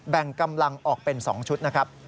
แบ่งกำลังออกเป็น๒ชุดนะครับ